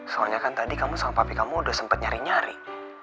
soalnya kan tadi kamu sama pabrik kamu udah sempat nyari nyari